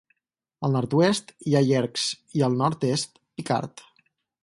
Al nord-oest hi ha Yerkes i al nord-est Picard.